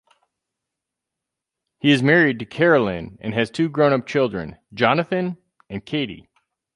He is married to Carolyn and has two grown up children, Jonathan and Katie.